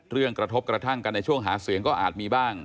กระทบกระทั่งกันในช่วงหาเสียงก็อาจมีบ้าง